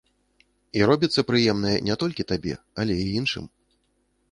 І робіцца прыемнае не толькі табе, але і іншым.